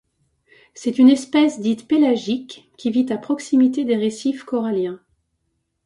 C'est une espèce dite pélagique qui vit à proximité des récifs coralliens.